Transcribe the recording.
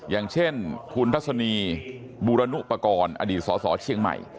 อย่างเช่นคุณทัศนีบูรณุปกรณ์อดีตสสเชียงใหม่